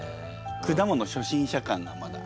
果物初心者感がまだ。